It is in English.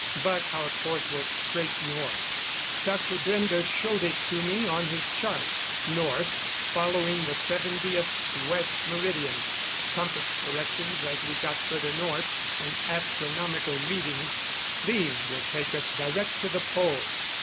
But our course was straight north. Dr. Brende showed it to me on his chart north, following the 70th West Meridian. Compass corrections as we got further north and astronomical readings, these would take us direct to the Pole.